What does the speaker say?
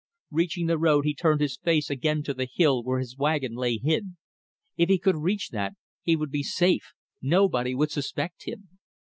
Reaching the road, he turned his face again to the hill where his wagon lay hid. If he could reach that, he would be safe; nobody would suspect him.